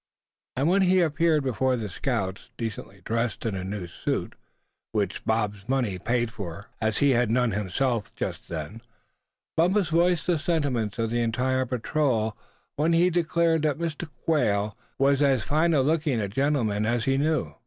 And when he appeared before the scouts, decently dressed in a new suit, which Bob's money paid for, as he had none himself just then, Bumpus voiced the sentiments of the entire patrol when he declared that Mr. Quail was as fine looking a gentleman as he knew.